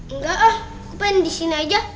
enggak ah aku pengen disini aja